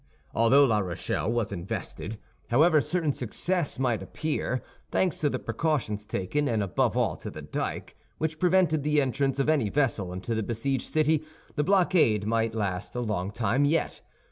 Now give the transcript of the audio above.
Although La Rochelle was invested, however certain success might appear—thanks to the precautions taken, and above all to the dyke, which prevented the entrance of any vessel into the besieged city—the blockade might last a long time yet.